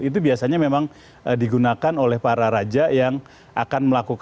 itu biasanya memang digunakan